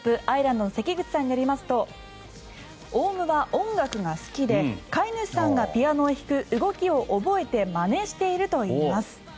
アイランドの関口さんによりますとオウムは音楽が好きで飼い主さんがピアノを弾く動きを覚えてまねしているといいます。